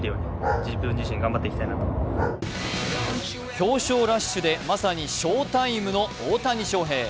表彰ラッシュでまさに賞タイムの大谷翔平。